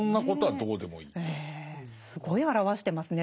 すごい表してますね